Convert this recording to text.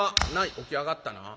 「起きやがったな。